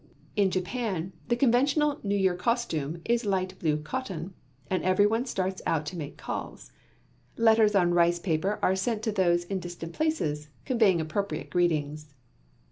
In Japan, the conventional New Year costume is light blue cotton, and every one starts out to make calls. Letters on rice paper are sent to those in distant places, conveying appropriate greetings.